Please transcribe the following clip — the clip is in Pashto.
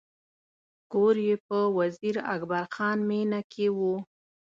کور یې په وزیر اکبر خان مېنه کې و.